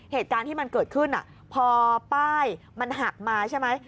เหตุการณ์ที่มันเกิดขึ้นพอป้ายมันหักมาใช่ไหม